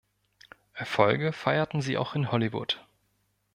Erfolge feierten sie auch in Hollywood.